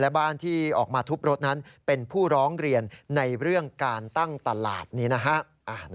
และบ้านที่ออกมาทุบรถนั้นเป็นผู้ร้องเรียนในเรื่องการตั้งตลาดนี้นะฮะ